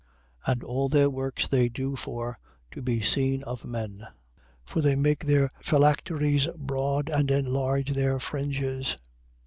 23:5. And all their works they do for to be seen of men. For they make their phylacteries broad and enlarge their fringes.